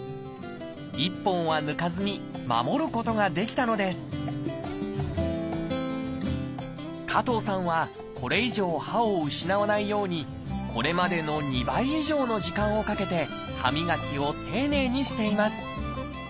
１本は抜かずに守ることができたのです加藤さんはこれ以上歯を失わないようにこれまでの２倍以上の時間をかけて歯磨きを丁寧にしています。